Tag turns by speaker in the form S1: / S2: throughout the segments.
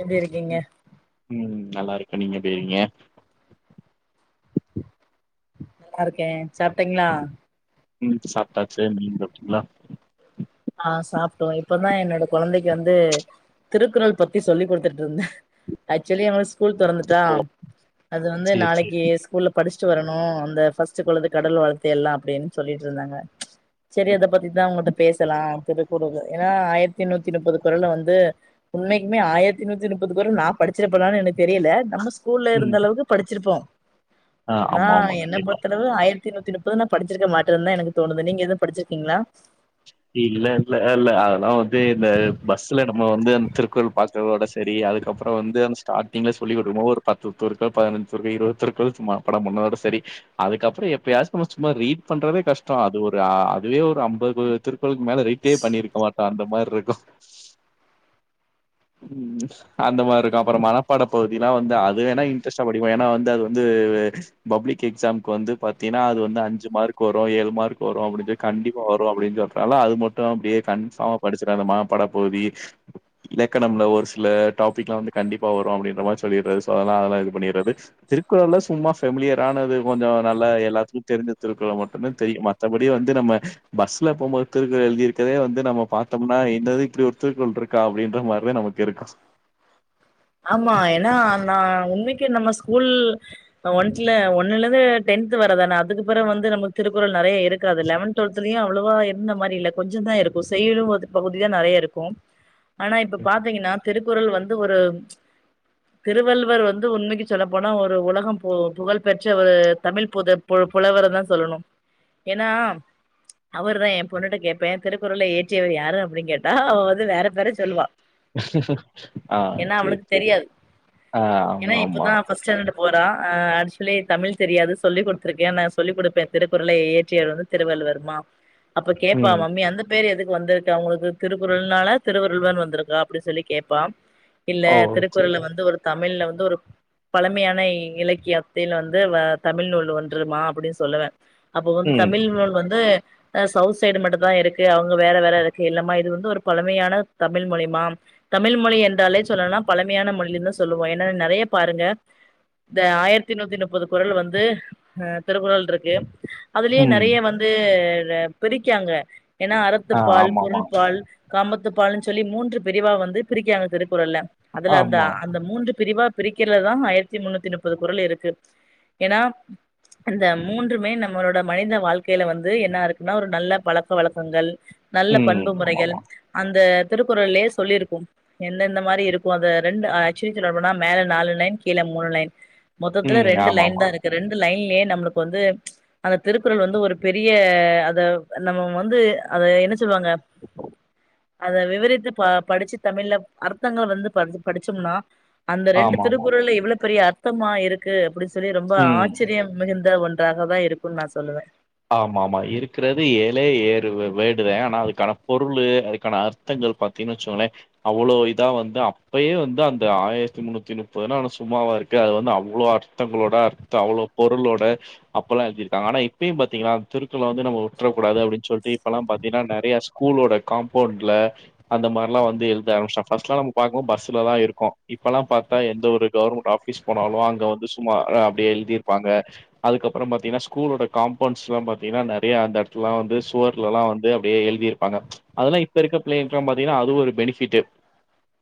S1: எப்டி இருக்கீங்க
S2: ம் நல்லா இருக்கே நீங்க எப்டி இருக்கீங்க
S1: நல்லா இருக்கே சாப்ட்டீங்ளா
S2: ம் சாப்டாச்சு நீங்க சாப்டீங்ளா
S1: ஆ சாப்ட்டோ இப்பதா என்னோட குழந்தைக்கு வந்து திருக்குறள் பத்தி சொல்லி்குடுத்துட்டு இருந்தே ஆக்சுவலி அவ ஸ்கூல் துறந்துட்டா
S2: ஓ!
S1: அது வந்து
S2: சேரி, சேரி.
S1: நாளைக்கு ஸ்கூல்ல படிச்சுட்டு வரணு அந்த ஃபஸ்ட்க்குள்ளது கடவுள் வாழ்த்து எல்லா அப்டின்னு சொல்லிட்டு இருந்தாங்க சரி அத பத்திதா உங்கள்ட்ட பேசலா திருக்குறள் ஏன்னா ஆயிரத்தி நூத்தி முப்பது குறல வந்து உண்மைக்குமே ஆயிரத்தி நூத்தி முப்பதுக் குறள் நா படிச்சிருப்பனானு எனக்கு தெரியல நம்ம ஸ் ஸ்கூல்ல
S2: ம்.
S1: இருந்த அளவுக்கு படிச்சிருப்போ
S2: ஆ
S1: நா
S2: ஆமா, ஆமா.
S1: என்ன
S2: கண்டிப்பா.
S1: பொருத்த லவு ஆயிரத்தி நூத்தி முப்பது நா படிச்சிருக்க மாட்டேனு தா எனக்கு தோணுது நீங்க எது படிச்சிருக்கீங்களா
S2: இல்ல இல்ல இல்ல அதெல்லா வந்து இந்த பஸ்ல நம்ம வந்து அந்த திருக்குறள் பாக்ரதோட ச சரி அதுக்கப்றோ வந்து அந்த ஸ்டார்டிங்ல சொல்லி என்னவோ ஒரு பத்து திருக்குறள் பதினஞ்சு திருக்குறள் இருபது திருக்குறள் சும்மா பாடம் பன்னதோட சரி அதுக்கப்றோ எப்பயாச்சு நம்ம சும்மா ரீட் பண்றதே கஷ்டோ அது ஒரு அதுவே ஒரு அம்பது ளுக்கு மேல ரீட்டே பண்ணிருக்க மாட்டே அந்த மாரிருக்கு அந்த மாரி இருக்கு அப்றோ மனப்பாட பகுதிலா வந்து அது வேன்னா இன்ட்ரெஸ்ட்டா படிப்போ ஏன்னா வந்து அது வந்து பப்ளிக் எக்ஸாம்கு வந்து பாத்தீனா அது வந்து அஞ்சு மார்க் வரு ஏழு மார்க் வரு அப்டின் சொல்லி கண்டிப்பா வரு அப்டின்னு சொல் நாள அது மட்டு அப்டியே கன்ஃபாமா படிச்சுருவே அந்த மனப்பாடப்பகுதி இலக்கணம்ல ஒரு சில டாபிக்லா வந்து கண்டிப்பா வரு அப்டின்ற மாரி சொல்லிடுறது சோ அதெல்லா இது பண்ணிறது திருக்குறல்ல சும்மா ஃபெமிலியரானது கொஞ்சோ நல்லா எல்லாத்துக்கு தெரிஞ்ச திருக்குறள மட்டு தா தெரியு மத் த்தபடி வந்து நம்ம பஸ்ல போம்போது திருக்குறள் எழுதி இருக்கதே வந்து நம்ம பாத்தம்னா என்னது இப்டி ஒருத்திருக்குறள் இருக்கா அப்டின்ற மாரி தா நமக்கு இருக்கு
S1: ஆமா ஏன்னா நா உண்மைக்கு நம்ம ஸ்கூல் ஒன்த்ல ஒன்னுலருந்து டென்த் வரதானே அதுக்கு பிற வந்து நமக்கு திருக்குறள் நெறைய இருக்காது லெவன்த் லத்துலயு அவ்ளவா இருந்த மாரி இல்ல கொஞ்ச தா இருக்கு செய்யுள் பகுதி தா நெறைய இருக்கு ஆனா இப்ப பாத்தீங்கன்னா திருக்குறள் வந்து ஒரு திருவள்ளுவர் வந்து உண்மைக்கு சொல்ல போனா ஒரு உலகம் பு புகழ் பெற்ற ஒரு தமிழ் பொது பு புலவர்தா சொல்லணு ஏன்னா அவர் தா எ பொண்ணுட்ட கேட்பே திருக்குறள ஏற்றியவர் யாரு அப்டின் கேட்டா அவ வந்து வேற பேற சொல்லுவா
S2: ஆ
S1: ஏன்னா அவளுக்கு
S2: செரி
S1: தெரியாது ஏன்னா இப்பதா ஃபஸ்டேண்டட் போறா ஆ ஆக்சுலி தமிழ் தெரியாது சொல்லி குடுத்துருக்கே நா சொல்லிக் குடுப்பே திருக்குறளை இயற்றியர் வந்து திருவள்ளுவர்மா அப்ப கேப்பா
S2: ம்.
S1: மம்மி அந்த பேரு எதுக்கு வந்திருச்சு அவுங்களுக்கு திருக்குறள்னால திருவருள்வர் வந்திருக்கா அப்டி சொல்லி கேப்பா இல்ல
S2: ஓ! சரி.
S1: திருக்குறள வந்து ஒரு தமிழ்ல வந்து ஒரு பழமையான இ இலக்கியத்தில் வந்து வ தமிழ் நூல் ஒன்றுமா அப்புடி சொல்லுவ அப்ப வந்து
S2: ம்,
S1: தமிழ்நூல் வந்து அ சௌத் சைடு மட்டு தா இருக்கு அவங்க வேற வேற இருக்கு இல்லமா இது வந்து ஒரு பழமையான தமிழ் மொழிமா தமிழ் மொழி என்றாலே சொல்லலா பழமையான மொழின்தா சொல்லுவோ ஏனா நெறைய பாருங்க இந்த ஆயிரத்தி நூத்தி முப்பது குறல் வந்து அ திருக்குறள் இருக்கு அதுலயே
S2: ம்.
S1: நெறைய வந்து பிரிக்காங்க ஏன்னா அறத்து
S2: ஆ
S1: பால்
S2: ஆமாமா.
S1: பொருள்பால் காமத்து பால்ன்னு சொல்லி மூன்று பிரிவா வந்து பிரிக்காங்க திருக்குறள அதுல அந்த
S2: ஆமா.
S1: அந்த மூன்று பிரிவா பிரிக்கிறலதா ஆயிரத்தி முன்னூத்தி முப்பது குறள் இருக்கு ஏன்னா அந்த மூன்றுமே நம்மளோட மனித வாழ்க்கையில வந்து என்னா இருக்குன்னா ஒரு நல்ல பழக்க வழக்கங்கள் நல்ல
S2: ம்.
S1: பண்பு முறைகள்
S2: ஆமாமா.
S1: அந்த திருக்குறள்லயே சொல்லியிருக்கு எந்தந்த மாரி இருக் ஒ அந்த ரெண்டு ஆக்சுலி சொல்ல போனா மேல நாலு லைன் கீழ மூணு லைன் மொத்தத்துல
S2: ம்.
S1: ரெண்டு லைன்
S2: ஆமாமா.
S1: தா இருக் ரெண்டு லைன்லே நம்ளுக்கு வந்து அந்த திருக்குறள் வந்து ஒரு பெரிய அத நம்ம வந்து அத என்ன சொல்லுவாங்க அத விவரித்து ப படிச்சு தமிழ்ல அர்த்தங்கள் வந்து படிச்சம்னா அந்த ரெண்டு
S2: ஆமாமா.
S1: திருக்குறள்ல இவ்ளோ பெரிய அர்த்தமா இருக் கு அப்டி சொல்லி ரொம்ப
S2: ம்.
S1: ஆச்சரியம் மிகுந்த ஒன்றாக தா இருக்குன் நா சொல்லுவே
S2: ஆமா ஆமா இருக்குறது ஏழே ஏறு வேடுத ஆனா அதுக்கான பொருளு அதுக்கான அர்த் த்தங்கள் பாத்தீங்கன் வெச்சுங்கோங்லே அவ்ளோ இதா வந்து அப்பயே வந்து அந்த ஆயிரத்தி முன்னூத்தி முப்பதுனா சும்மாவா இருக்கு அது வந்து அவ்ளோ அர் த்தங்களோட அத் அவ்ளோ பொருளோட அப்பல்லா எழுதியிருக்காங்க ஆனா இப் ப்பியுபாத்திங்களாந் திருக்குளவந்து நம்பவுட்ரகூடாது அப்டின்சொல்ட்டு இப்பலா பாத்தீனா நெறைய ஸ்கூலோட காம்பவுண்ட்ல அந்த மார்லா வந்து எழுத ஆரமிச்டாங் ஃபஸ்ட்லா நாம்மோ பாக்கும்போ பஸ்ஸுலதா இருக்கு இப்பலா பாத்தா எந்தஒரு கவர்மண்ட் ஆஃப் பிஷ் போனாலு அங்கவந்து சுமா அப்டியே எழுதிர்பாங்க அதுகப்றபாத்திங்னா ஸ்கூலோட காம்பண்ட்ஸ்ல பாத்தீங்னா நெறய அந்த எடத்துலாவந்து சுவர்லலா வந்து அப்டே எழுதிர்பாங்க அதுலா இப்பஇருக்க பிள்ளைங்க்லா பாத்தீங்னா அது ஒரு பெனிஃபிட்டு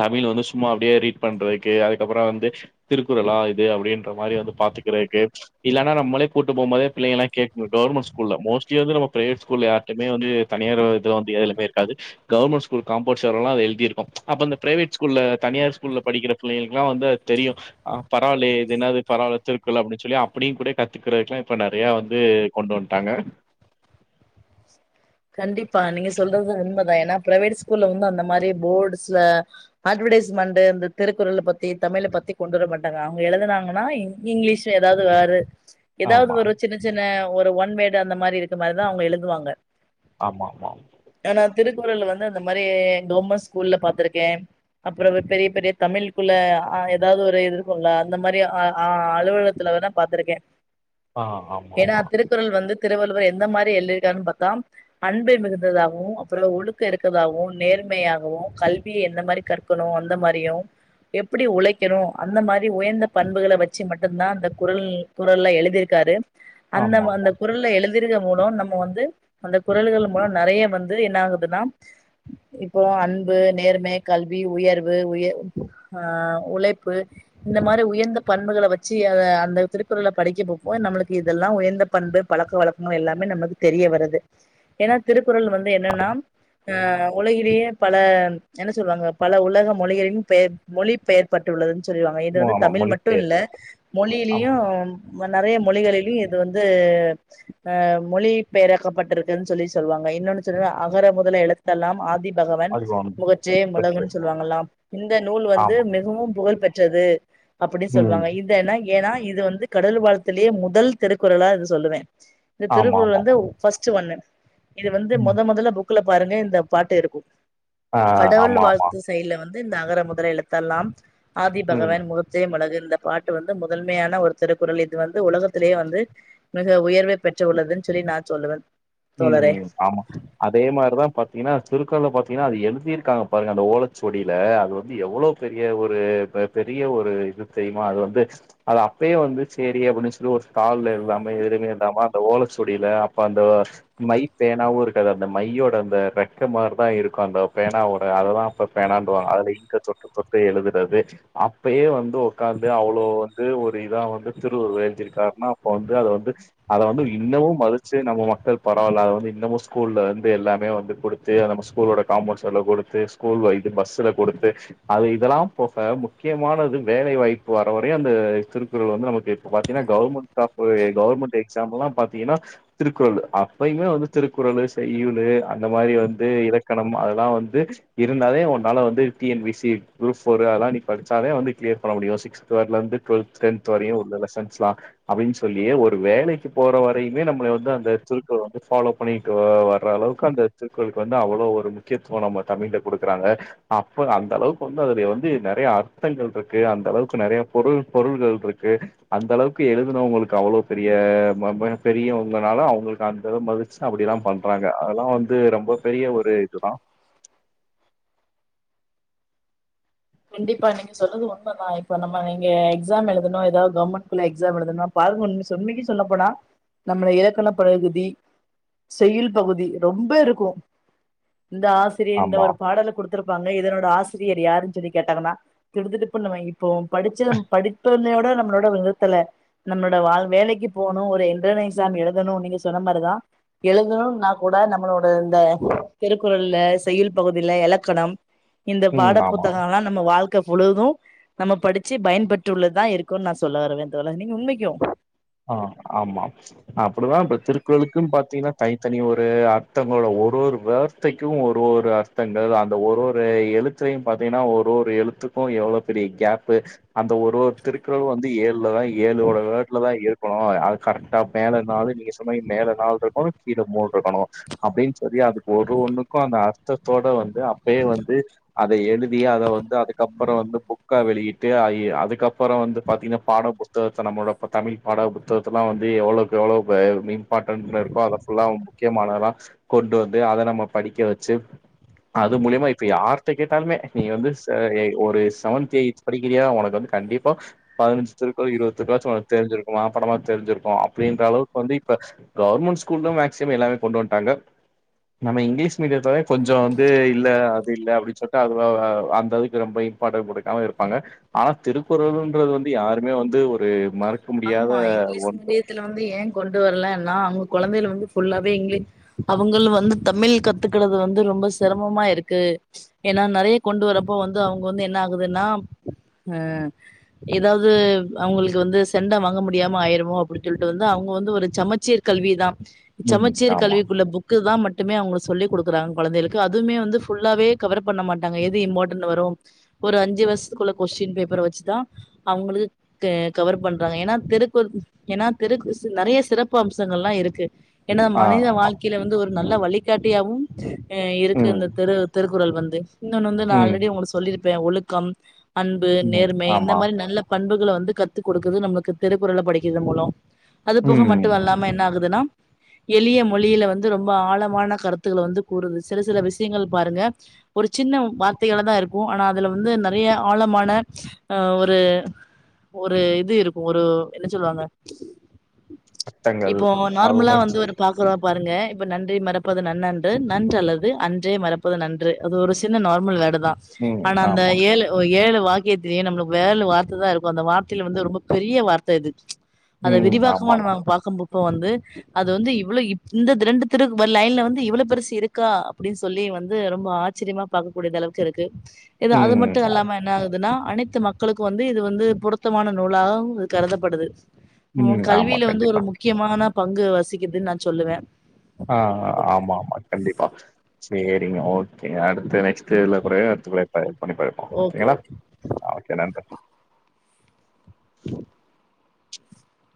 S2: தமிழ் வந்து சும்மா அப்டே ரீட் பண்றதுக்கு அதுகப்றோ வந்து திருக்குறளா இது அப்டீன்றமாரி வந்து பாத்துக்குறகு இல்லனா நம்மளே கூட்டு போம்போதே பிள்ளைங்களா கேக்மு கவர்மண் ஸ்கூல்ல மோஸ்ட்லி அது நம்ம ப்ரைவேட் ஸ்கூல்ல யார்ட்யுமே வந்து தனியார் இது [unintelligible] எதிலுமே இருக்காது கவர்மெண்ட் ஸ்கூல்ல காம்போண்ட் செவுரல்ல அது எழுதி இருக்கு அப்ப இந்த பிரைவேட் ஸ்கூல்ல தனியார் ஸ்கூல் ல படிக்கிற பிள்ளைங்களுக்ளா வந்து அது தெரியு அ பரவால்லே இது என்னாது பரவால திருக்குறள் அப்டின் சொல்லி அப்டியுகூட கத்துகறதக்லா இப்ப நெறயா வந் து கொண்டுவன்டாங்க
S1: கண்டிப்பா நீங்கசொல்றது உண்மதா என்னா ப்ரைவெட் ஸ்கூல்ல வந்அந்த மாரி போட்ஸ அட்வடைஸ்மண்ட் இந்த திருக்குறள பத்தி தமிழபத்தி கொண்டு வரமாட்டாங்க அவுங்க எழுதுனாங்கனா ஹிந் இங்கிலீஷ ஏதாது வேரு எதாவது
S2: ஆமா
S1: ஒரு சின்ன சின்ன ஒரு ஒன்வேடு அந்த மாரிருக்கு மாரிதா அவுங்க எழுதுவாங்க
S2: ஆமாமா
S1: ஆனா திருக்குறள்ல வந்து அந்த மாரி கவர்மெண்ட் ஸ்கூல்ல பாத்துருக்கே அப்புறமா பெரிய பெரிய தமிழ்குள்ள அ ஏதாவது ஒரு இருக்கும்ல அந்த மாதிரி அ அ அலுவலகத்துலவேனா பாத்துருக்கே.
S2: ஆ ஆமா
S1: ஏனா
S2: ஆமா
S1: திருக்குறள் வந்து திருவள்ளுவர் எந்த மாரி எழுதிருக்காருன்னு பாத்தா அன்பில் மிகுந்ததாகவு அப்புறோ ஒழுக்க இருக்கதாகவு நேர்மையாகவு கல்வி என்ன மாறி கற் க்கணு அந்த மாரியு எப்டி உழைக்கணு அந்த மாரி உயர்ந்த பண்புகள வெச்சு மட்டுதா அந்த குறள் குறள்ல எழுதியிருக்காரு
S2: ஆமா
S1: அந்தம் அந்த குறள்ல எழுதிருக்குற மூணு நம்ம வந்து. அந்த குறள்கள் மூல நெறைய வந்து என்ன ஆகுதுன்னா இப்போ அன்பு நேர்மை கல்வி உயர்வு உய ஆ உழைப்பு இந்த மாரி உயர்ந்த பண்புள வெச்சு அ அந்த திருக்குறள படிக்கபோப்போ நம்மளுக்கு இதெல்லா உயர்ந்த பண்பு பழக்க வழக்கங்கள் எல்லாமே நமக்கு தெரிய வருது ஏன்னா திருக்குறள் வந்து என்னன்னா ஆ உலகிலேயே பல என்ன சொல்லுவாங்க பல உலக மொழிகளின் பெயர் மொழி பெயர் பற்றுள்ளதுன்னு சொல்லிவாங்க இது
S2: ஆமா
S1: வந்து
S2: ஆமா
S1: தமிழ் மட்டு இல்ல
S2: மொழிபெயர்ப்பு
S1: மொழியிலையு
S2: ஆமா
S1: வந் நெறைய மொழிகளிலு இது வந்து அ மொழி பெயர்க்கப்பட்ருக் குதுன் சொல்லி சொல்லுவாங்க இன்னொன்னு சொல்லாவா அகர முதல எழுதெல்லாம் ஆதிப் பகவான்
S2: அது
S1: முகற்றே முலகுன்னு
S2: பெற்றிருக்கோம்
S1: சொல்லுவாங்களா இந்த நூல் வந்து
S2: ஆமா
S1: மிகவு புகழ் பெற்றது. அப்டி
S2: ம்
S1: சொல்லுவாங்க இது அனா ஏன்னா இது வந்து கடல் வாழ்த்துலேயே முதல் திருக்குறளா இது சொல்லுவே இந்த
S2: ஆமா ஆமா
S1: திருக்குறள் வந்து
S2: ஆமா
S1: ஃபர்ஸ்ட்டு ஒன்னு இது வந்து
S2: ம்
S1: முதல் முதல்ல புக்ல பாருங்க இந்த பாட்டு இருக்கு
S2: ஆ
S1: கடவுள்
S2: ஆமா ஆமா
S1: வாழ்த்து செய்யுள்ல வந் து இந்த அகர முதல எழுத்தெல்லாம் ஆதி
S2: ம்
S1: பகவன் முக ற்றே முளகு இந்த பாட்டு வந்து முதன்மையான ஒரு திருக்குறள் இது வந்து உலகத்திலேயே வந்து மிக உயர்வை பெற்று உள்ளதுனு சொல்லி நா சொல்லுவே
S2: ம் ம் ஆமா அதே மாரிதா பாத்திங்கன்னா திருக்குறள்ல பாத்திங்கன்னா அது எழுதி இருக்காங்க பாருங்க அந்த ஓலச்சுவடில அது வந்து எவ்வளோ பெரிய ஒரு பெ பெரிய ஒரு இது தெரியுமா அது வந்து அது அப்பயே வந்து சேரி அப்டின்னு சொல்லி ஒரு ஸ்தால்ல எல்லாமே எழுதி தாமா அந்த ஓலச்சுவடில அப்ப அந்த மை பேனாவு இருக்காது அந்த மையோட அந்த ரெக்க மாரிதா இருக்கு அந்த பேனாவோட அததா இப்ப பேணாண்ருவாங்க அதுல இங்க தொட்டு தொட்டு எழுதுறது அப்பயே வந்து உக்காந்து அவ்வளோ வந்து ஒரு இதா வந்து திருவள்ளுவர் எழுதிருக்காருனா அப்ப வந்து அத வந்து அத வந்து, இன்னமு மதிச்சு நம்ம மக்கள் பரவாயில்ல. அத வந்து இன்னமு ஸ்கூல்ல வந்து எல்லாமே வந்து கொடுத்து அத நம்ம ஸ்கூலோட காம்பவுண்ட்ஸெளவு கொடுத்து ஸ்கூல்ல இது பஸ்சுல கொடுத்து அது இதெல்லா போக முக்கியமானது வேலை வாய்ப்பு வர வரையு அந்த திருக்குறள் வந்து நமக்கு இப்ப பாத்தீன்னா கவர்மெண்ட் ஸ்டாஃப் கவர்மெண்ட் எக்ஸாமுல்லா பாத்தீங்கன்னா திருக்குறள் ஆ பயுமே வந்து திருக்குறளு, செய்யுளு அந்த மாரி வந்து இலக்கணம் அதெல்லா வந்து இருந்தாலே உன்னால வந்து T N P C, group four அதெல்லா நீ படிச்சாலே வந்து கிளியர் பண்ண முடியு சிக்ஸ் தேட் லந்து டுவல்த் டென்த் வரையு உள்ள லெசன்ஸ்லா அப்டின்னு சொல்லி ஒரு வேலைக்கு போற வரையுமே நம்மள வந்து அந்த எடத்துல் திருக்குறள் வந்து ஃபாலோ பண்ணிட்டு வர்ற அளவுக்கு அந்த திருக்குறளுக்கு வந்து அவ்வள ஒரு முக்கியத்துவ நம்ம தமிழ்ல குடுக்குறாங்க. அப்ப, அந்த அளவுக்கு வந்து அதுல வந்து நறைய அர்த்தங்கள்ருக்கு. அந்த அளவுக்கு நறைய பொருள் பொருள்கள்ருக்கு. அந்த அளவுக்கு எழுதுனவங்களுக்கு அவ்வளோ பெரிய ம ம பெரியவங்கனால அவங்களுக்கு அந்த அளவு மதிச்சு அப்டில்லா பண்றாங்க. அதெல்லா வந்து ரொம்ப பெரிய ஒரு இதுதா
S1: கண்டிப்பா, நீங்க சொல்றது உண்மதா. இப்ப நம்ம நீங்க எக்ஸாம் எழுதணு ஏதாவது கவர்மெண்ட்டுள்ள எக்ஸ எழுதனும். வார்கோன் நீங் சொன்னிங் சொல்ல போனா நம்ள ஏதேன்னோ பகுதி செய்யுள் பகுதி ரொம்ப இருக்கு இந்த ஆஷ் திடீர்னு
S2: ஆமா
S1: ஒரு பாடல குடுத்துருப்பாங்க இதனோட ஆசிரியர் யாருன்னு சொல்லி கேட்டாங்கென்னா திடு திடுப்புன்னு மயங்கி இப்போ படிச்ச படிப்ப என்னையோட நம்மளோட வெத் தெர்ல்ல நம்மளோட வாழ் மேலைக்கு போணு ஒரு என்டேர் எக்ஸா எழுதணு நீங்க சொன்ன மாரிதா எழுதணும்னா கூட நம்மளோட இந்த திருக்குறள்ள செய்யுள் பகுதியில எலக்கணம் இந்த
S2: ம் ஆமா
S1: பாடப்புத்தகம் எல்லா நம்ம வாழ்க்கை புழுகு நம்ம படிச்சு பயன்பட்டுள்ளதுதா இருக்குனு நா சொல்ல வரவே தொழா நீங்க உண்மைக்கு
S2: ஆ ஆமா அப்புடுதா இப்ப திருக்குறளுக்குன்னு பாத்தீங்கன்னா தனி தனி ஒரு அர்த்தங்களோட ஒரு ஒரு ஃவெர் த்தைக்கு ஒரு ஒரு அர்த்தங்கள் அந்த ஒரு ஒரு எழுத்தையு பாத்தீங்கன்னா ஒரு ஒரு எழுத்து இப்போ எவ்ளோ பெரிய ஃகேப்பு அந்த ஒரு திருக்குறள் வந்து ஏழுல தா ஏழோட ஃவெர்ட்டுல தா இருக் குனு அது கரெக்டா மேல நாளு நீங்க சொல்லங்களே மேல நாள் இருக்கணு கீழ மூண் இருக்கணு அப்டின்னு செரி ஆகட் ஒரு ஒண்ணுக்கு அந்த அர்த்தத்தோட வந்து அப்பயே வந்து அத எழுதி அத வந்து அதுக்கப்பற வந்து புக் கா வெளியிட்டு அய் அதுக்கப்பறோ வந்து பாத்தீங்கன்னா பாட புஸ்தகத்த நம்மளோட இப்ப தமிழ் பாடப் புத்தகத்த எல்லா வந்து எவ்ளோவுக்கு எவ்ளோ இம்பார்ட்டன்ஸ்ல இருக்கோ அத ஃபுல்லா முக்கியமானதல்லா கொண்டு வந்து அத நம்ம படிக்க வச்சு அது மூலியமா இப்ப யாருட்ட கேட்டாலுமே நீ வந்து ஷர் ஏ ஒரு செவன்த் எய்த் படிக்கிறியா ஒனக்கு வந்து கண்டிப்பா பதினஞ்சு திருக்குறள் இருவது திருக்குறள் ஆச்சு ஒனக்கு தெரிஞ்சிருக் கு அப்பறமா தெரிஞ்சிருக்கோ அப்டின்ற அளவுக்கு வந்து இப்ப கவர்மெண்ட் ஸ்கூல்ல மேக்சிமம் எல்லாமே கொண்டு வந்ட்டாங்க நம்ம இங்கிலீஷ் மீடியத்துல கொஞ்சோ வந்து இல்ல அது இல்ல அப்டின்னு சொல்லிட்டு அது ஆ அந்த அதுக்கு ரொம்பய் இம்பாட்டன் குடுக்காம இருப்பாங்க ஆனா திருக்குறள் இன்றுது வந்து யாருமே வந்து ஒரு மறக் க முடியாத ஒன்று
S1: இதுல வந்து ஏ கொண்டு வரல்லனா அவ்ங்க கொழந்தையில வந்து ஃபுல்லாவே இங்கீலிஷ் அவுங்களு வந்து தமிழ் கத்துக்கறது வந்து ரொம்ப சிரம்மா இருக்கு ஏன்னா நெறைய கொண்டு வரப்போ வந்து அவுங்க வந்து என்ன ஆகுதுன்னா ஆ ஏதாது அவுங்களுக்கு வந்து தெண்டா வாங்க முடியாம ஆயிருமோ அப்டின்னு சொல்லிட்டு வந்து அவுங்க வந்து ஒரு சமச்சீர் கல்விதா
S2: ம்
S1: சமச்சீர்
S2: ஆமா
S1: கல்விக்குள்ள புக் கு தா மட்டுமே அவுங்ளுக் சொல்லி குடுக்குறாங்க கொழந்தைகளுக்கு அதுவுமே வந்து ஃபுல்லாவே கவரப் பண்ண மாட்டாங்க எது இம்பார்டன் வரு ஒரு அஞ்சு வர்ஷத்துக்குள்ள கொஸ்டின் பேப்பர வச்சுதா அவுங்ளுது தே கவர் பண் ற ஏன்னா திருக்குறள் ஏன்னா திருக்கு சு நெறைய சிறப்பு அம்சங்கள் எல்லா இருக்கு ஏன்னா
S2: ஆ
S1: மனித
S2: ஆமா
S1: வாழ்க்கையில வந்து ஒரு நல்ல வழிகாட்டியாவும் இருக்கு
S2: ம்
S1: இந்த திரு திருக் குறள் வந்து இன்னொன்னு வந்து நா
S2: ம்
S1: ஆல்ரெடி உங்களுக்கு சொல்லிருப்பே ஒழுக்கம் அன்பு
S2: ம்
S1: நேர்மை இந்த
S2: ஆமா
S1: மாரி நல்ல பண்புகள்ல வந்து கத்துக் குடுக்குது நம்மளுக்கு திருக்குறள படிக்கது மூலோ அது போக
S2: ம்
S1: மட்டு அல்லாம என்ன ஆகுதுன்னா எளிய மொழியில வந்து ரொம்ப ஆழமான கருத்துக்கள வந்து கூறுது சில சில விஷ்யங்கள் பாருங்க ஒரு சின்ன வார்த்தைகளா தா இருக்கு ஆனா அதுல வந்து நெறைய ஆழமான ஆ ஒரு ஒரு இது இருக்கு ஒரு என்ன சொல்லுவாங்க
S2: அர்த்தங்கள்
S1: இப்போ
S2: அ
S1: நார்மலா வந்து
S2: உணர்ச்சி
S1: ஒரு பா குறோ பாருங்க இப்ப நன்றி மறப்பது நன்னன்று நன்று அல்லது அன்றே மறப்பது நன் று அது ஒரு சின்ன நார்மல் ஃவேர்டு தா
S2: ம்
S1: ஆனா அந்த
S2: ஆமா
S1: ஏழு ஏழு வாக்கியத்திலேயே நம்மளுக்கு வேலு வார்த்த தா இருக்கு அந்த வார்த்தையில வந்து ரொம்ப பெரிய வார்த்தை இது அத
S2: ம்
S1: விரிவாக்கமனு
S2: ஆமாமா
S1: நாங்க பார்க்கும்பப்போ வந்து அது வந்து இவ்ளோ இந்த திரண்டு திரு லைன்ல வந்து இவ்ளோ பெருசு இருக்கா அப்டின்னு சொல்லி வந்து ரொம்ப ஆ ச்சரியமா பார்க்க கூடியத அளவுக்கு இருக்கு இது அது
S2: ம்
S1: மட்டும் இல்லாம என்ன ஆகுதுன்னா அனைத்து மக்களுக்கும் வந்து இது வந்து பொருத்தமான நூல் வுலாவ் கருதப்படுது மு
S2: ம் ஆமா
S1: கல்வியில வந்து ஒரு
S2: கண்டிப்பா
S1: முக் முக்கியமான பங்கு வசிக்குதுன்னு நான் சொல்லுவேன்
S2: ஆ ஆ ஆமா ஆமா கண்டிப்பா சேரிங்க ஓகே அடுத்து நெக்ஸ்ட் இதுல கூடே அடுத்து கூடே ப பண்ணி போயிருப்போம்
S1: ஓகே
S2: ஓகேங்களா ஓகே நன்றி